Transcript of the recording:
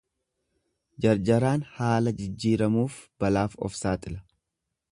Jarjaraan haala jijjiiramuuf balaaf of saaxila.